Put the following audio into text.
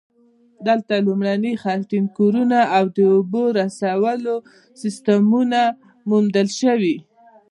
دلته لومړني خټین کورونه او د اوبو رسولو سیستمونه موندل شوي